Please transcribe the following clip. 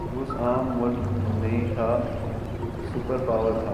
روس عام ملک نہ تھا، سپر پاور تھا۔